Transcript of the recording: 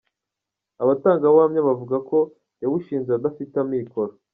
Abatangabuhamya bavuga ko yawushinze adafite amikoro.